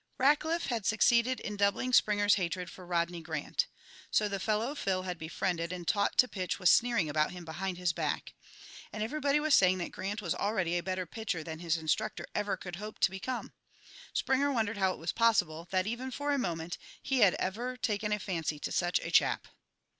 Rackliff had succeeded in doubling Springer's hatred for Rodney Grant. So the fellow Phil had befriended and taught to pitch was sneering about him behind his back! And everybody was saying that Grant was already a better pitcher than his instructor ever could hope to become! Springer wondered how it was possible that, even for a moment, he had ever taken a fancy to such a chap.